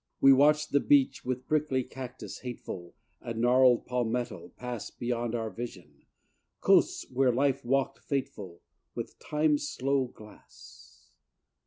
We watched the beach, with prickly cactus hateful, And gnarled palmetto, pass Beyond our vision; coasts where Life walked fateful With Time's slow glass.